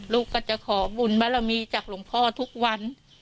ลูกก็จะขอบุญบารมีจากหลวงพ่อทุกวัน